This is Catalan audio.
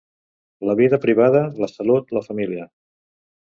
La vida privada, la salut, la família.